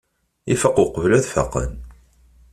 Ifaq uqbel ad faqen.